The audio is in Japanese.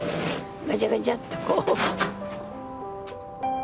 ガチャガチャっとこう。